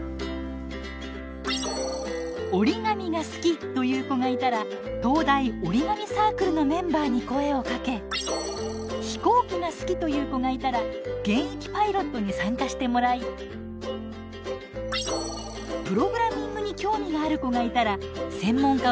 折り紙が好きという子がいたら東大折り紙サークルのメンバーに声をかけ飛行機が好きという子がいたら現役パイロットに参加してもらいプログラミングに興味がある子がいたら専門家を探して引き合わせました。